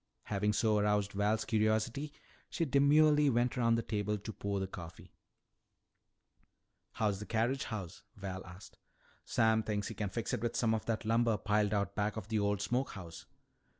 Having so aroused Val's curiosity, she demurely went around the table to pour the coffee. "How's the carriage house?" Val asked. "Sam thinks he can fix it with some of that lumber piled out back of the old smoke house."